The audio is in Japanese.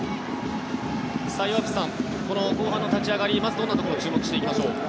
岩渕さん、後半の立ち上がりどんなところに注目していきましょう？